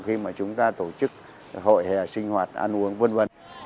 khi mà chúng ta tổ chức hội hề sinh hoạt ăn uống v v